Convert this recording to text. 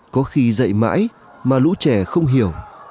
có khi dạy mãi mà lũ trẻ không hiểu